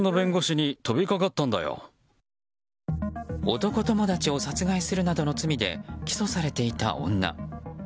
男友達を殺害するなどの罪で起訴されていた女。